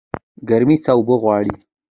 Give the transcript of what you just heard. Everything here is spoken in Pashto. ګرمي څه اوبه غواړي؟